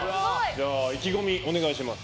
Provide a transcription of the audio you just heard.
意気込み、お願いします。